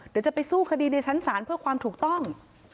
เดี๋ยวจะไปสู้คดีในชั้นศาลเพื่อความถูกต้อง